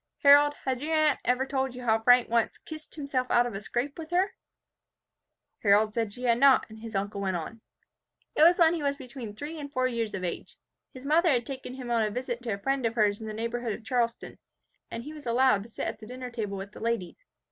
Harold, has your aunt ever told you how Frank once kissed himself out of a scrape with her?" Harold said she had not, and his uncle went on, "It was when he was between three and four years of age. His mother had taken him on a visit to a friend of hers in the neighbourhood of Charleston, and he was allowed to sit at the dinner table with the ladies.